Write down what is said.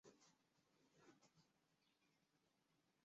其名称柏油脚跟是对北卡罗来纳州人民的昵称。